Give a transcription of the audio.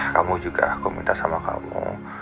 kamu juga aku minta sama kamu